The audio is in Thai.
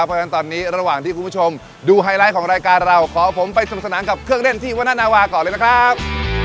เพราะฉะนั้นตอนนี้ระหว่างที่คุณผู้ชมดูไฮไลท์ของรายการเราขอผมไปสนุกสนานกับเครื่องเล่นที่วนาวาก่อนเลยนะครับ